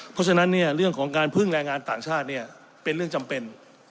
เพราะฉะนั้นเนี่ยเรื่องของการพึ่งแรงงานต่างชาติเป็นเรื่องจำเป็น